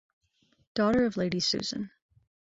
Daughter of Lady Susan.